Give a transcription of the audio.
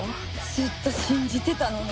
ずっと信じてたのに。